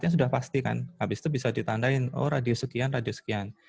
sudah pasti kan habis itu bisa ditandain oh radio sekian radio sekian